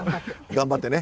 頑張ってね。